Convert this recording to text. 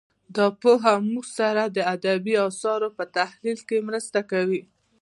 دا پوهه موږ سره د ادبي اثارو په تحلیل کې مرسته کوي